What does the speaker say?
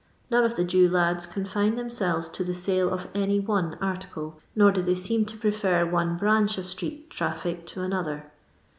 None of the Jew lads ; confine themselves to the sale of any one artids^ nor do they seem to prefer one branch of street traffic to another.